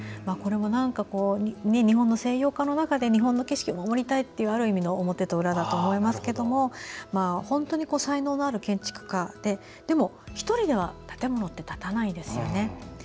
これも、日本の西洋化の中で日本の景色を守りたいというある意味の表と裏だと思いますけども本当に才能のある建築家ででも１人では建物って建たないですよね。